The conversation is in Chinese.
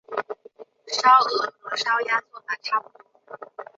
烧鹅和烧鸭做法差不多。